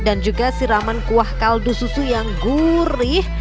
dan juga siraman kuah kaldu susu yang gurih